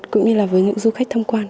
cũng như là với những du khách tham quan